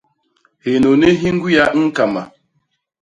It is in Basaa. Hinuni hi ñgwia i ñkama.